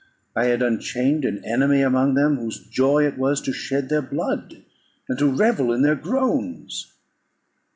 I had unchained an enemy among them, whose joy it was to shed their blood, and to revel in their groans.